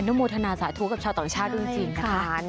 อันนี้มวดทนาสาธุกับชาวต่างชาติดูจริงนะคะ